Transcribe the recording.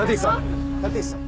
立石さん！？